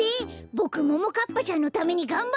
ボクももかっぱちゃんのためにがんばるよ！